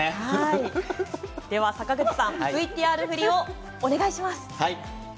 ではＶＴＲ振りをお願いします。